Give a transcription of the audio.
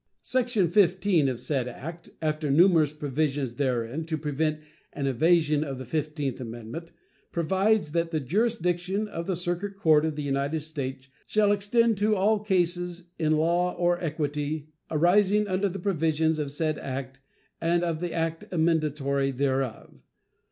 Section 15 of said act, after numerous provisions therein to prevent an evasion of the fifteenth amendment, provides that the jurisdiction of the circuit court of the United States shall extend to all cases in law or equity arising under the provisions of said act and of the act amendatory thereof.